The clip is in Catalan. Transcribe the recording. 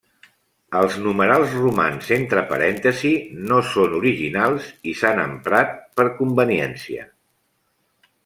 Els numerals romans entre parèntesis no són originals i s'han emprat per conveniència.